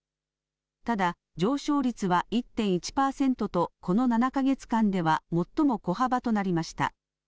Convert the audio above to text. ただ、上昇率は１．１％と、この７か月間では最も小幅となりました。